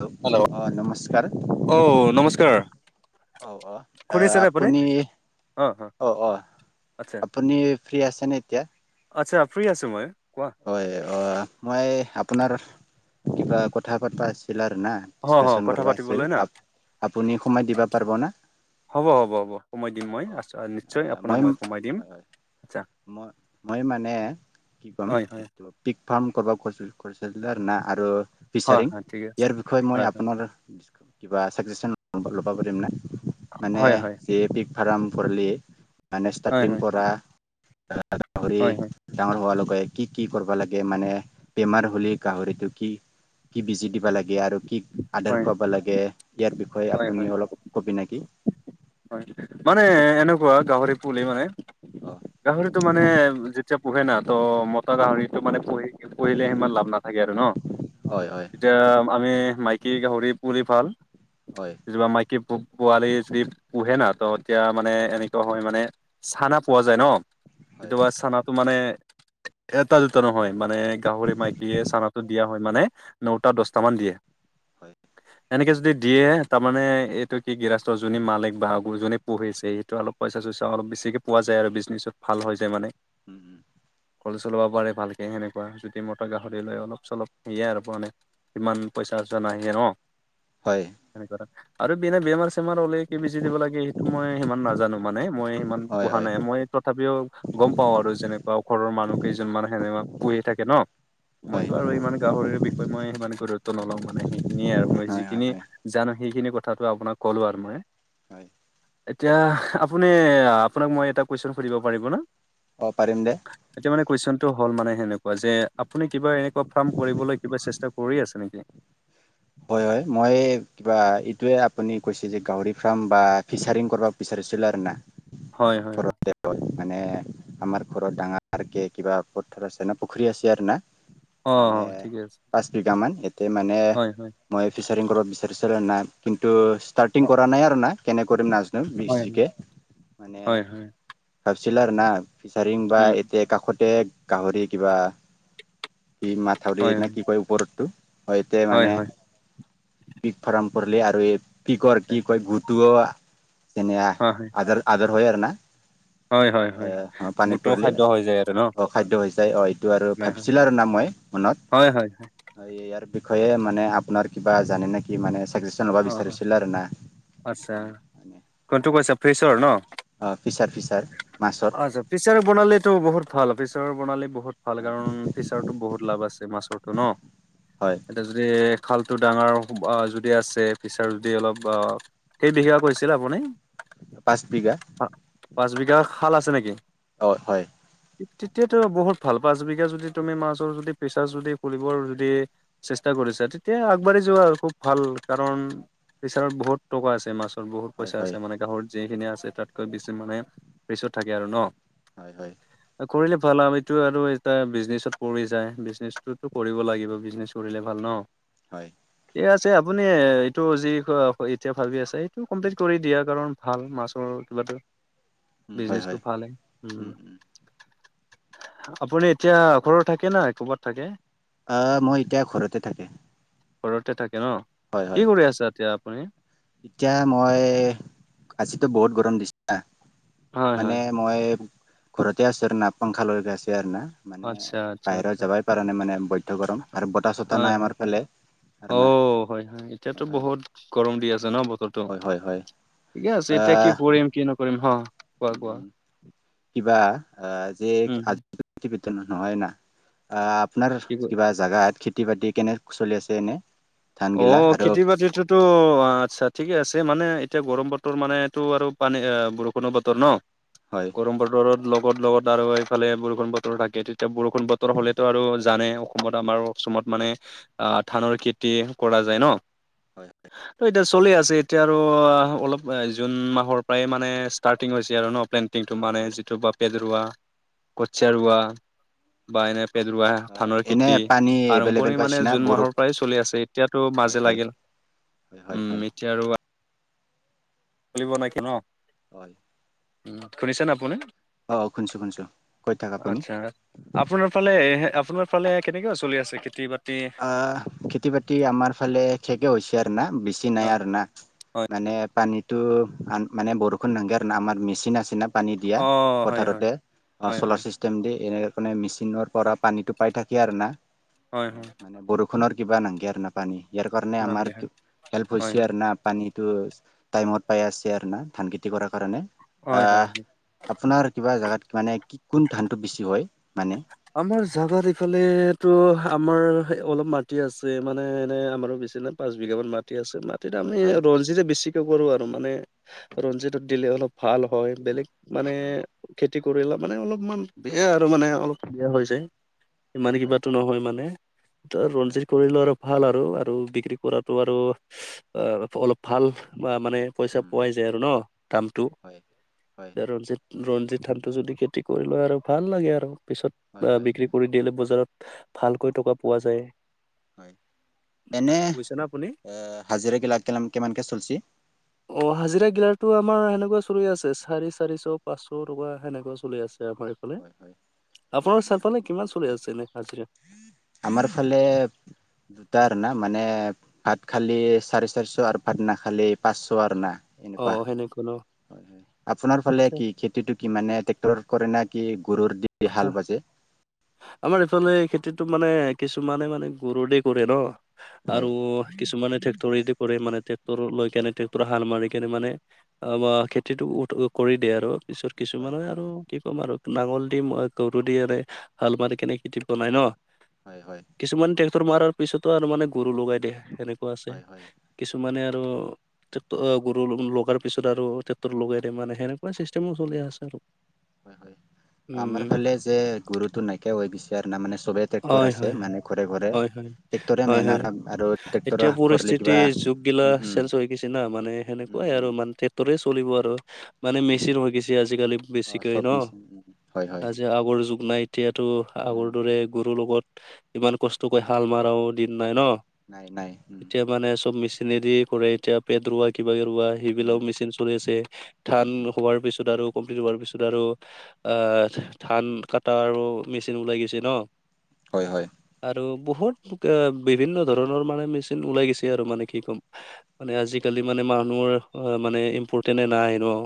Hello অ নমস্কাৰ। অ নমস্কাৰ অ অ আহ আপুনি, অ অ আচ্ছা আপুনি ফ্ৰী আছেনে এতিয়া? আচ্ছা ফ্ৰী আছোঁ মই। কোৱা হয় অ মই আপোনাৰ কিবা কথা পতপা আছিল আৰু না। হ হ ডিচকাশচন কথা কৰিবা পাতিবলৈ আছিল। না আ-আপুনি সোমাই দিবা পাৰিব না? হ'ব হ'ব হ'ব সোমাই দিম মই অ আ নিশ্চয় আপোনাক মই সোমাই দিম। আচ্ছা মই মই মানে, কি ক'ম? হয় হয় ত পিক ফাৰ্ম কৰিব খ-খচছিলে আৰু না আৰু হয় ফিচাৰিং, হয় ঠিকে আছে ইয়াৰ বিষয়ে মই হয় আপোনাৰ কিবা ছাজেশ্যন ল'ব পাৰিম না? মানে হয় হয় যি পিক ফাৰ্ম কৰিল মানে হয় ষ্টাৰ্টিং হয় পৰা [unintelligible] গাহৰি হয় হয় হয় ডাঙৰ হোৱা লৈকে কি কি কৰিবা লাগে? মানে বেমাৰ হ'লেই গাহৰিটো কি কি বেজি দিব লাগে? আৰু কি আদাৰ হয় খুৱাব লাগে? ইয়াৰ বিষয়ে হয় হয় আপুনি অলপ কবি নেকি? হয় মানে এনেকুৱা গাহৰি পুলি মানে, অ' গাহৰিটো মানে যেতিয়া পুহে না ত মতা গাহৰিটো মানে পুহি পুহিলে সিমান লাভ নাথাকে আৰু ন? হয় হয়। এতিয়া আমি মাইকী গাহৰি পুৰি ভাল হয়। ছোৱা মাইকী পোৱালি যদি পোহে না ত এতিয়া মানে এনেকুৱা হয় মানে, চানা পোৱা যায় ন হয় কেতিয়াবা চানাটো মানে এটা দুটা নহয়, মানে গাহৰি মাইকীয়ে চানাটো দিয়া হয় মানে ন'টা-দচটা মান দিয়ে। হয়। এনেকে যদি দিয়ে তাৰমানে এইটো কি গৃহস্থ যোনী মালিক বা, যোনী পুহিছে সটো অলপ পইচা-চইচা অলপ বেছিকে পোৱা যায় আৰু বিজনেচত ভাল হৈ যায় মানে। উম উম। কল চলাব পাৰে ভালকৈ সেনেকুৱা। যুদি মতা গাহৰি লয় অলপ চলপ সেয়াই আৰু মানে ইমান পইচা-চইচা নাহিয়ে ন? হয়। সেনেকোৱা আৰু বিনে-বেমাৰ লে কি বিজি দিব লাগে সেইটো মই সিমান নাজানো, মানে মই সিমান হয় পোৱা হয় নাই। মই তথাপিও গম পাওঁ আৰু যেনেকুৱা ঘৰৰ মানুহ কেইজনমান সেনে পুহি থাকে ন। হয় মইতো আৰু ইমান গাহৰিৰ বিষয়ে মই সিমানে গুৰুত্ব নলওঁ মানে সেইখিনিয়ে আৰু মই হয় হয় যিখিনি হয় জানো সেইখিনি কথাটো আপোনাক কলো আৰু মই। হয়। এতিয়া আপুনি আপোনাক মই এটা কুৱেশ্যন সুধিব পাৰিব না? অ পাৰম দে। এতিয়া মানে কুৱেশচনটো হ'ল মানে সেনেকুৱা যে আপুনি কিবা এনেকুৱা ফাৰ্ম কৰিবলৈ কিবা চেষ্টা কৰি আছে নেকি? হয় হয় মই কিবা এইটোয়ে আপুনি কৈছে যে গাহৰি ফাৰ্ম বা ফিচাৰিং কৰিব বিচাৰিছিল আৰু না? হয় হয় হয়। [unintelligible] মানে আমাৰ ঘৰত ডাঙৰকে কিবা পথাৰ আছে ন পুখুৰী আছে আৰু না। অ অ মানে ঠিকে আছে পাঁচ বিঘা মান, এতে মানে হয় হয়। মই ফিচাৰিং কৰিব বিচাৰিছিলো না, কিন্তু ষ্টাৰ্টিং অ' কৰা নাই আৰু না কেনে কৰিম ন এক হয় হয় বিছিকে মানে হয় হয় পাপচেলাৰল আৰু না। ফিচাৰিং বা উম এতিয়া কাষতে গাহৰি কিবা সি মাছ- থউৰি হয় নে কি কয় ওপৰতটো হয় এটোৱে হয় মানে- হয় পিক ফাৰ্ম কৰিলে আৰু এই পিকৰ কি হয় কয় গুটুঅ যেনে হয় আদাৰ- আদৰ হয় আৰু না। হয় হয় হয় এ হয় অঁ পানীত বুটৰ পৰিলি খাদ্য হৈ যায় আৰু ন অ খাদ্য হৈছে অ এইটো আৰু হয় ভাবছিল আৰু না মই। মনত। হয় হয় হয়। ইয়াৰ বিষয়ে মানে আপোনাৰ কিবা জানে নেকি মানে ছাজেশ্যন ল'ব অ বিচাৰিছিল আৰু না- আচ্ছা অ কনটো কৈ আছা ফ্ৰিছৰ ন। অঁ' ফিচাৰ ফিচাৰ মাছৰ। ফিচৰ বনালেতো বহুত ভাল ফিচৰৰ বনালে বহুত- ভাল হয় কাৰণ ফিচৰটো বহুত লাভ আছে মাছৰটো ন। হয় এ যদি খালটো ডাঙৰ অঁ' যদি আছে- ফিছাৰ যদি অলপ অ সেই বিঘা কৈছিল আপুনি? পাঁচ বিঘা। অঁ' পাঁচ বিঘা খাল আছে নেকি? অ' হয়। তেতিয়াতো বহুত ভাল পাঁচ বিঘা যদি তুমি মাছৰ যদি পেছা যদি ফুলিবৰ যদি- চেষ্টা কৰিছা তেতিয়া আগবাঢ়ি যোৱা আৰু খুব ভাল। কাৰণ ফিচাৰত বহুত টকা আছে মাছত বহুত হয় পইচা হয় আছে মানে গাহৰি- যিখিনি আছে তাতকৈ বেছি মানে ফ্ৰিছত থাকে আৰু ন। হয় হয়। কৰিলে ভাল আও এইটো আৰু এটা বিজনেচত পৰি যায় বিজনেছোতো কৰিব লাগিব। বিজনেজ- কৰিলে ভাল ন। হয়। এ আছে আপ- আপুনি এইটো যি এতিয়া ভাবি আছে এইটো কমপ্লিট কৰি দিয়া কাৰণ ভাল মাছৰ কিবাটো- [inaudible] হয় বিজনেচটো হয় ভালে, উম'। আপুনি এতিয়া ঘৰত থাকে না ক'বাত থাকে? অঁ' মই এতিয়া ঘৰতে থাকে। ঘৰতে থাকে ন, হয় হয় কি কৰি আছা এতিয়া আপুনি? এতিয়া মই আজিতো বহুত গৰম দিছে। হয় হয় মানে হয়। মই ঘৰতে আছো আৰু না পংখা লৈ গৈ আছে আৰু না। মানে আচ্ছা আচ্ছা আচ্ছা বাহিৰত যাবাই পৰা নাই মানে বৈধ গৰম আৰু বতাহ চতাহ হয় নাই হয়। আমাৰ ফালে। আৰু না অ' হয় হয়, এতিয়াতো বহুত গৰম দি আছে ন বতৰত- হয় ত হয় হয় ঠিকে আছে এতিয়া কি কৰিম কি নকৰিম হঁ'। উম' কিবা আহ যে উম হুম। কিবা নহয় নহয়না। আ আপোনাৰ কি ক কিবা জাগাত খেতি বাতি কেনে চলি আছে এনেই? অ' খেতি বাতিটোত- টো আৎচ্ছা ঠিকে আছে মানে এতিয়া গৰম বতৰ মানেটো আৰু পানী বৰষুণৰ বতৰ ন। হয়। ৰ বতৰ লগত লগত আৰু এইফালে বৰষুণ বতৰ থাকে তেতিয়া বৰষুণ বতৰ হলেতো আৰু- জানে অসমত আমাৰ অসমত মানে আহ ধানৰ খেতি কৰা যায় ন। হয় ত এটা চলি আছে এতিয়া আৰু অলপ জুন মাহৰ পৰাই মানে ষ্টাৰ্টিং হৈছে আৰু ন প্লেন। এইটো হয় মানে হয় যিটো বাপেত ৰোৱা কঠিয়া ৰুৱা বা এনে বাপেত ৰুৱা অ ধানৰ এনে খেতি পানী এভেইলেবল আৰম্ভণি মানে পাইছিনা জুন বৰ মাহৰ পৰাই চলি আছে। ত হয় মাজে হয় লাগিল হয় হয় উম হয় এতিয়া আৰু চলিব না কি ন? হয় শুনিছেনে আপুনি? অঁঁ শুনিছোঁ শুনিছোঁ কৈ থাক আপুনি। আচ্ছা আপোনাৰ ফালে আপোনাৰ ফালে কেনেকৈ চলি আছে খেতি বাতি? আহ খেতি বাতি আমাৰ ফালে শেষে হৈছে আৰু না বেছি নাই আৰু অ না। হয় মানে পানীটো আন মানে বৰষুণ নালাগে আৰু ন আমাৰ মেচিন আছে ন। পানী দিয়া অ হয় হয় পথাৰতে হয় হয় চলাচল কেমদি এনে কাৰণে মেচিনৰ পৰা পানীটো পাই থাকি আৰু না। হয় হয় মানে বৰষুণৰ কিবা নালগে আৰু না পানী ইয়াৰ কাৰণে আমাৰ নালগে হয় হেল্প হয় হৈছে আৰু না। পানীটো টাইমত পাই আছে আৰু না ধান খেতি কৰাৰ কাৰণে। হয় হয় হয় আহ আপোনাৰ কিবা জোগাত মানে কি কোন ধানটো বেছি হয়? মানে আমাৰ জাগাৰ এইফালে তো আমাৰ অলপ মাটি আছে। মানে এনে আমাৰো বেছি নাই। পাঁচ বিঘামান মাটি আছে। মাটিত আমি হয় হয় ৰঞ্জিতে বেছিকৈ কৰোঁ আৰু মানে ৰঞ্জিতটো দিলে অলপ ভাল হয়। বেলেগ মানে হয় হয় খেতি কৰিলে মানে অলপমান বেয়া আৰু মানে অলপ বেয়া হৈ যায়। ইমান হয় হয় কিবাটো নহয় মানে হয় ৰঞ্জিত কৰিলো আৰু ভাল আৰু আৰু বিক্ৰী কৰাটো আৰু অলপ ভাল। বা মানে পইচা উম পোৱাই যায় আৰু ন দামটো হয় হয় ৰনজিত। ৰঞ্জিত ধানটো যদি খেতি কৰি লয় আৰু ভাল লাগে আৰু হয় পিছত হয় বিক্ৰী কৰি দিল বজাৰত ভালকৈ টকা পোৱা যায়। হয়। এনে বুজিছে না আপুনি হাজিৰা এ গিলাক কিমানকৈ চলছি? অ হাজিৰা গিলাকটো আমাৰ হেনেকুৱা চলি আছে চাৰি চাৰিশ পাঁচশ টকা হেনেকুৱা চলি আছে। দেশৰ হেইফালে হয় হয় আপোনাৰ চাৰিফালে কিমান চলি আছে এনে হাজিৰা? [unintelligible] আমাৰ ফালে দুটাৰ আৰু না মানে ভাত খালি চাৰে চাৰিশ আৰু ভাত নাখালি পাঁচশ আৰু না। অ, এনেকুৱা সেনেকোৱা ন। হয় হয় আপোনাৰ ফালে আচ্ছা কি খেতিটো কি মানে ট্ৰেক্টৰ কৰে না কি গৰুৰ দি হাল বাজে? আমাৰ এইফালে খেতিটো মানে কিছুমানে মানে গৰুৰে কৰে ন আৰু হয় কিছুমানে টেক্ট্ৰৰেদি কৰে মানে ট্ৰেক্টৰ লৈ কেনে হয় টেক্ট্ৰৰে হাল মাৰি সেই টো মানে অ খেতিটো কৰি দিয়ে আৰু পিছত হয় কিছুমানে আৰু কি ক'ম আৰু, নাঙল দি ম গৰু দিয়ে হাল মাৰি কেনেকে দি বনাই ন? হয় হয়। কিছুমানে ট্ৰেক্টৰ মৰাৰ পিছতো আৰু মানে গৰু লগাই দিয়ে সেনেকুৱা আছে, হয় হয় কিছুমানে আৰু টেক্টৰ গৰু লগাৰ পিছত আৰু টেক্টৰ লগাই দিয়ে মানে সেনেকুৱা চিষ্টেমো চলি আছে আৰু। হয় হয় আমাৰ উম ফালে যে গৰুটো নাইকিয়া হৈ গৈছে আৰু না মানে চবে ট্ৰেক্টৰ হয় আছে হয় মানে ঘৰে ঘৰে হয় হয় ট্ৰেক্টৰে হয় মেইন হয় আৰু ট্ৰেক্টৰে এতিয়া হাস কৰিলি পৰিস্থিতি কিবা যুগ গিলা উম উম চেন্স হৈ গৈছি না মানে উম সেনেকুৱাই আৰু উম মানে ট্ৰেক্টৰে চলিব আৰু। মানে উম মেচিন হৈ গৈছি আজিকালি অ বেছিকৈ চব ন মিচিন হয় হয় আজি আগৰ যুগ নাই। এতিয়াতো উম আগৰ দৰে গৰুৰ লগত ইমান কষ্ট কৰি হাল মাৰও দিন নাই ন। নাই নাই, উম। এতিয়া মানে চব মেচিনেদি কৰে। এতিয়া পেট ৰুৱ। কিবাকে ৰুৱা হেইবিলাও উম মেচিন চলি আছে। ধান হোৱাৰ পিছত আৰু কমপ্লিট হোৱাৰ পিছতে আৰু ধান কাত আৰু মেচিন ওলাই গৈছে ন? হয়। হয়। আৰু বহুত পুকা বিভিন্ন ধৰণৰ মানে মেচিন ওলাই গৈছি আৰু মানে কি ক'ম। মানে আজিকালি মানে মানুহৰ মানে ইম্পৰ্ণ্টে নাই ন?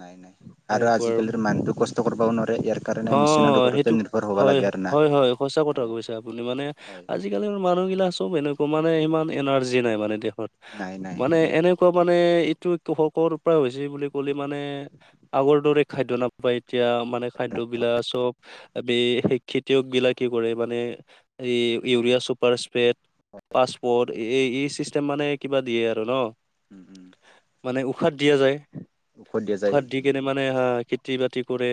নাই। নাই আৰু আজিকালিৰ মানুহতো কষ্ট কৰিবও নোৱাৰে। ইয়াৰ কাৰণে অ', মেচিনৰ ওপৰতে হেইটোক নিৰ্ভৰ হ'ব হয়। লাগে আৰু না হয়। হয়। সঁচা কথা হয় কৈছে। আপুনি মানে হয় আজ আজিকালিৰ মানুহগিলাক চব এনেকুৱা মানে ইমান এনাৰ্জি নাই মানে দেহত নাই নাই মানে এনে [unintelligible] এইটো কৃষকৰ পৰা হৈছে বুলি কলি মানে আগৰ দৰে খাদ্য নপ বা এতিয়া মানে খাদ্য বিলা চব আবে খেতিয়ক বিলাক কি কৰে, মানে এই ইউৰিয়া চুপাৰ স্প্ৰেড পাছপৰ্ট এই এই চিষ্টেম মানে কিবা দিয়ে আৰু ন? উম', উম, মানে উশাত দিয়া যায়। ঔষধ দিয়া যায় উশাত দি উম, কেনে উম, মানে হ খেতি বাতি কৰে‌।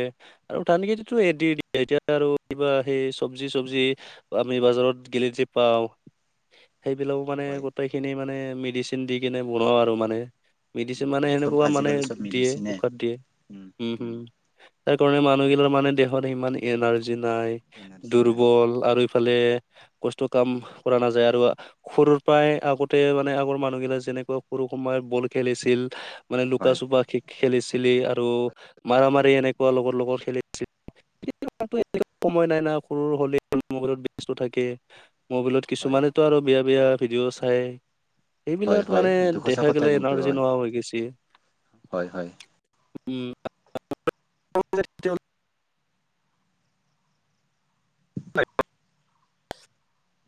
আৰু ধান খেতিটো এ দি দিয়ে এতিয়া আৰু কিবা হেই চব্জি চব্জি আমি বজাৰত গেলিযে পাওঁ। সেইবিলাকও মানে হয়। গোটেই খিনি মানে মেডিচিন দি কিনে বনাও আৰু মানে মেডিচিন উম, মানে উম, চব হেনেকুৱা মানে আজিকালি চব দিয়ে। মেডিচিনে উশাদ দিয়ে। উম, হম, তাৰ কাৰণে মানুহ গিলাৰ মানে দেহত ইমান এনাৰ্জি নাই এনাৰ্জি নাই দুৰ্বল। আৰু ইফালে কষ্ট কাম কৰা নাযায় আৰু সৰু প্ৰায় আগতে মানে আগৰ মানুহগিলা যেনেকুৱা সৰু পৰাই বল খেলিছিল। মানে লুকা হয়। চুপা খ খেলিছিলি আৰু মাৰ মাৰি এনেকুৱা লগৰ লগৰ খেলিছিল। [unintelligible] সময় নাই না মোবাইল মোবাইলত ব্যস্ত থাকে। মোবাইলত হয়, কিছুমানেতো আৰু বেয়া বেয়া ভিডিঅ' চায়। হয়, এইবিলাক হয়, মানে এইটো সঁচা দেখা কথা গলে কিন্তু এনাৰ্জি হয়, নোহোৱা হৈ গেছি। হয়, হয়, উম', [unintelligible]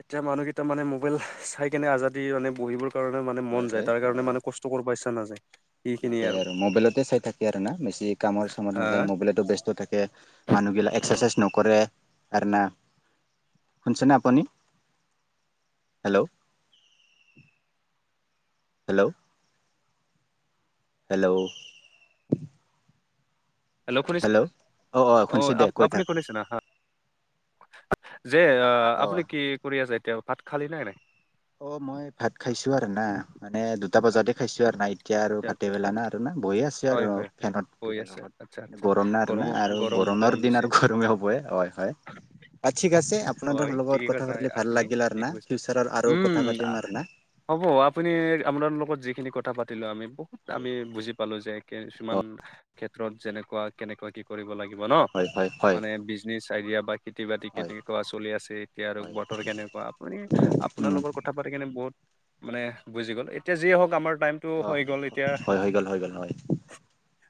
এতিয়া মানুহকেইটা মানে মোবাইল চাই কেনে আজাদদি মানে বহিবোৰ মন হয়, যায়। হয়। তাৰ কাৰণে আহ মানে কষ্ট কৰিব ইচ্ছা নাযায়। নাযায় আৰু মোবাইলতে চাই থাকে আৰু না বেছি কামৰ চামত হা নাযায়। মোবাইলতো বস্ত থাকে। মানুহ গিলাক এক্সাৰচাইজ নকৰে আৰু না শুনিছেনে আপুনি? হেল্ল', হেল্ল', হেল্ল', হেল্ল', অ, অ, শুনছো দে কৈ আপুনি থাক। শুনিছে না হা যে আহ অ'। আপুনি কি কৰি আছে। এতিয়া ভাত খালি নে নাই? অ', মই ভাত খাইছো আৰু না মানে দুটা বজাতে আচ্ছা খাইছো আৰু না এতিয়া আৰু ভাত আচ্ছা টেবেল আচ্ছা আনা আৰু না বহয়ে আছে হয় আৰু হয় হয় ফেনত হৈ কিবা আছে কত আচ্ছা আচ্ছা গৰম না আৰু না গৰমো আৰু গৰম গৰম গৰমৰ দিন দিছে আৰু ঘৰুমে হ'বই হয়। হয়। হাত ছিগা আছে। আপোনাৰ হয় লগত ঠিকে কথা কৈছা। পাতি ভাল আপুনি লাগিল আৰু ঠিক না কৈছে ফিউচাৰৰ আৰু কথা উম, পাতিম আৰু না হ'ব আপুনি আপোনাৰ লগত যিখিনি কথা পাতিলো। আমি বহুত হয় আমি বুজি পালো যে, অ কিছুমান ক্ষেত্ৰত যেনেকুৱা কেনেকুৱা কি কৰিব লাগিব ন হয় হয় হয় মানে বিজ তুমি চাই দিয়া বা খেতি বাতি হয় কেনেকোৱা চলি আছে এতিয়া আৰু হয় বতৰ কেনেকোৱা আপুনি উম আপোনালোকৰ কথা পাতি কিনে বহুত মানে বুজি গ'ল এতিয়া যিয়ে হওক আমাৰ টাইম টো অ হৈ গ'ল এতিয়া হয় হৈ গ'ল হৈ গ'ল হয়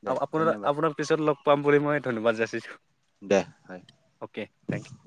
দে আপোনাৰ ধন্যবাদ আপোনাৰ পিছত লগ পাম বুলি মই ধন্যবাদ যাচিছো। দে হয় অকে থেংক ইউ